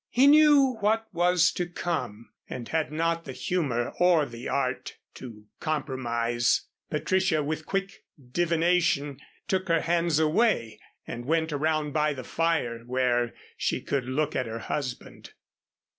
He knew what was to come and had not the humor or the art to compromise. Patricia, with quick divination, took her hands away and went around by the fire where she could look at her husband.